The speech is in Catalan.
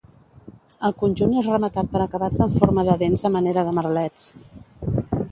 El conjunt és rematat per acabats en forma de dents a manera de merlets.